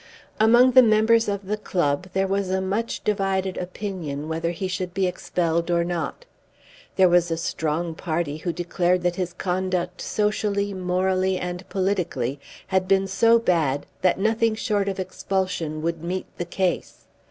Among the members of the club there was a much divided opinion whether he should be expelled or not. There was a strong party who declared that his conduct socially, morally, and politically, had been so bad that nothing short of expulsion would meet the case.